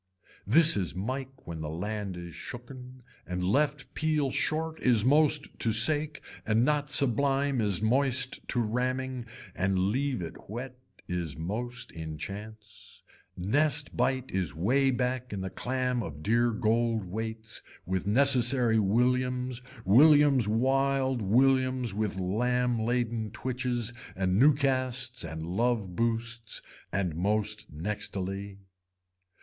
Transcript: This is mike when the land is shooken and left peel short is most to sake and not sublime is moist to ramming and leave it whet is most in chance. Nest bite is way back in the clam of dear gold weights with necessary williams williams wild williams with lamb laden twitches and new casts and love boosts and most nextily.